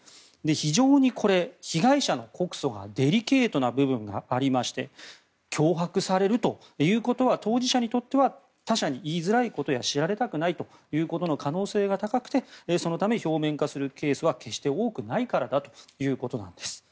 非常にこれ、被害者の告訴がデリケートな部分がありまして脅迫されるということは当事者にとっては他者に言いづらいことや知られたくないということの可能性が高くてそのため表面化するケースは決して多くないからだということです。